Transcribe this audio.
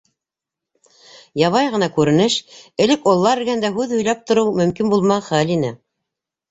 Ябай ғына күренеш, элек ололар эргәһендә һүҙ һөйләп тороу мөмкин булмаған хәл ине.